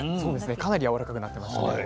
かなりやわらかくなってましたね。